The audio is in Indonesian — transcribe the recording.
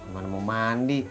gak mau mandi